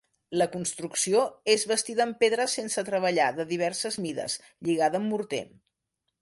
La construcció és bastida amb pedra sense treballar de diverses mides, lligada amb morter.